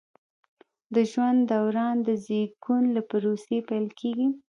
د ژوند دوران د زیږون له پروسې پیل کیږي.